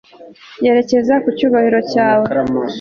Yerekeza ku cyubahiro cyawe